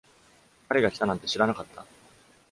彼が来たなんて知らなかった！